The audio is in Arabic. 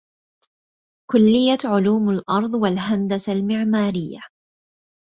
كلية علوم الأرض والهندسة المعمارية